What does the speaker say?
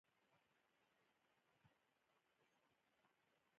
ازادي راډیو د د ماشومانو حقونه په اړه د کارګرانو تجربې بیان کړي.